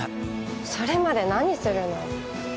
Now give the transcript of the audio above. それまで何するの？